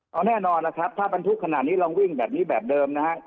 เอาแน่นอนล่ะครับถ้าบรรทุกขนาดนี้ลองวิ่งแบบนี้แบบเดิมนะฮะ